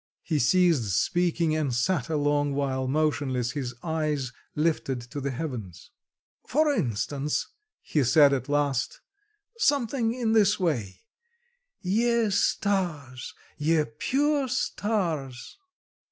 He ceased speaking, and sat a long while motionless, his eyes lifted to the heavens. "For instance," he said at last, "something in this way: 'Ye stars, ye pure stars!